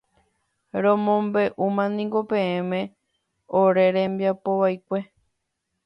Romombeʼúmaniko peẽme ore rembiapo vaikue.